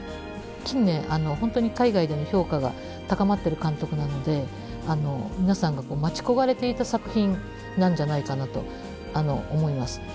近年本当に海外での評価が高まってる監督なので皆さんが待ち焦がれていた作品なんじゃないかなと思います。